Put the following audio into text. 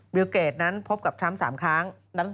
พี่ชอบแซงไหลทางอะเนาะ